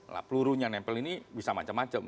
nah pelurunya nempel ini bisa macam macam